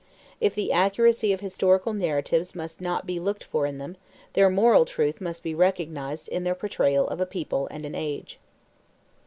If the accuracy of historical narrative must not be looked for in them, their moral truth must be recognized in their portrayal of a people and an age.